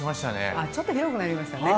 あちょっと広くなりましたね。